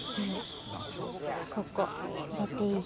ここ入れていいよ。